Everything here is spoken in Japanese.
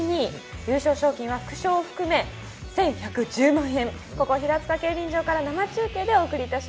優勝賞金は副賞も含め１１１０万円。